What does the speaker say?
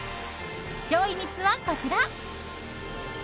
上位３つはこちら。